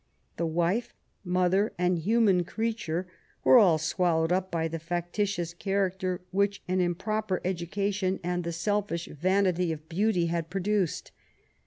The wife, mother, and human creature were all swallowed up by the factitious character which an improper education and the selfish yanity of beauty had produced.